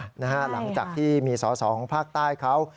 หลังจากที่มีสอสอของภาคใต้เขา